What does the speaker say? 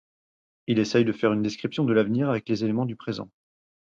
Il essaie de faire une description de l'avenir avec les éléments du présent.